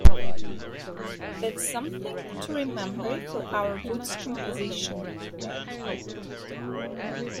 That’s something to remember for our woods composition.